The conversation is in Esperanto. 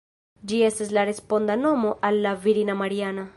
Ĝi estas la responda nomo al la virina Mariana.